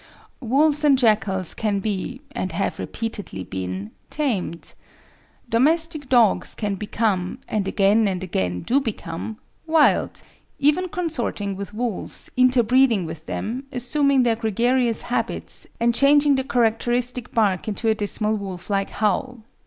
Wolves and jackals can be, and have repeatedly been, tamed. Domestic dogs can become, and again and again do become, wild, even consorting with wolves, interbreeding with them, assuming their gregarious habits, and changing the characteristic bark into a dismal wolf like howl.